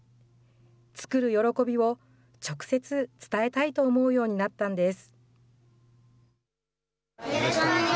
作る喜びを直接、伝えたいと思うようになったんです。